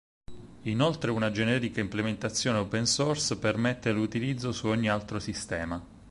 Inoltre una generica implementazione open source permette l'utilizzo su ogni altro sistema.